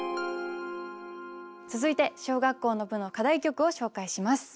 続いて小学校の部の課題曲を紹介します。